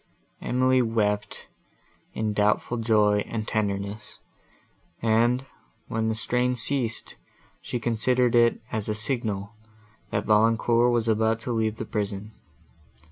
Emily wept in doubtful joy and tenderness; and, when the strain ceased, she considered it as a signal, that Valancourt was about to leave the prison.